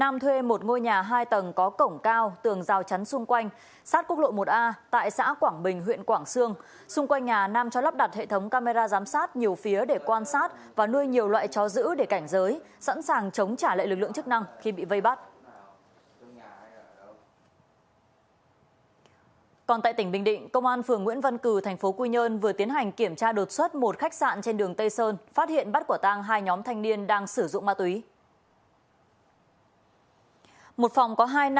một phòng có hai nam hai nữ một phòng có ba nam tại hiện trường